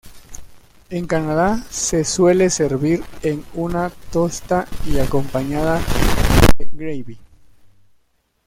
En Canadá se suele servir en una tosta y acompañada de gravy.